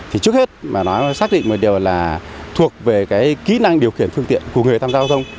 thì trước hết mà nó xác định một điều là thuộc về cái kỹ năng điều khiển phương tiện của người tham gia giao thông